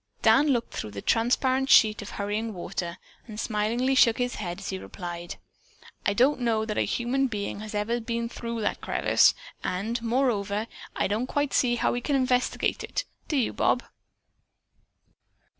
Dan looked through the transparent sheet of hurrying water and smilingly shook his head as he replied: "I don't suppose that a human being has ever been through that crevice, and, moreover, I don't quite see how we can investigate, do you, Bob?"